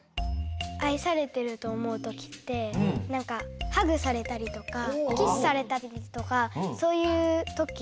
あいされてるとおもうときってなんかハグされたりとかキスされたりとかそういうとき？